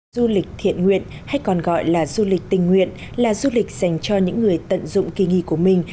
du lịch thiện nguyện hay còn gọi là du lịch tình nguyện là du lịch dành cho những người tận dụng kỳ nghỉ của mình